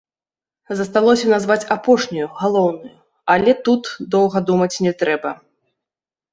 Засталося назваць апошнюю, галоўную, але тут доўга думаць не трэба.